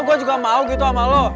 gue juga mau gitu sama lo